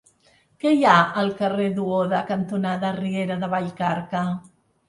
Què hi ha al carrer Duoda cantonada Riera de Vallcarca?